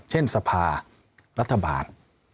เช่นสภารัฐบาล